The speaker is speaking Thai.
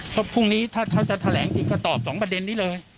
เพราะพรุ่งนี้ถ้าเขาจะแถลงอีกก็ตอบ๒ประเด็นนี้เลย